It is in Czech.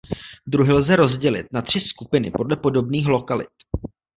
Druhy lze rozdělit na tři skupiny podle podobných lokalit.